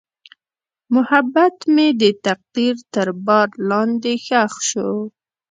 محبت مې د تقدیر تر بار لاندې ښخ شو.